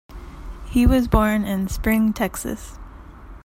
He was born in Spring, Texas.